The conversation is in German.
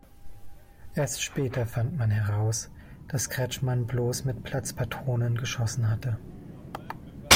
Erst später fand man heraus, dass Kretschmann bloß mit Platzpatronen geschossen hatte.